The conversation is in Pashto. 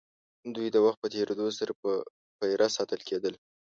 دوی د وخت په تېرېدو سره په پېره ساتل کېدل.